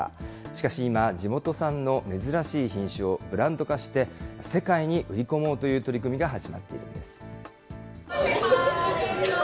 しかし今、地元産の珍しい品種をブランド化して、世界に売り込もうという取り組みが始まっているんです。